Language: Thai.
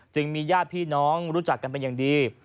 ญาติพี่น้องรู้จักกันเป็นอย่างดี